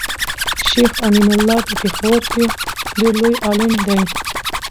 شيخ امين الله په پيښور کي ډير لوي عالم دی